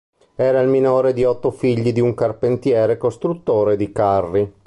Era il minore di otto figli di un carpentiere costruttore di carri.